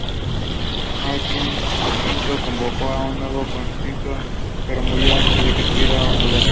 Martín V convocó un nuevo concilio, pero murió antes de que tuviera lugar.